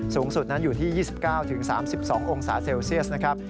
สูงสุดนั้นอยู่ที่๒๙๓๒องศาเซลเซียสนะครับ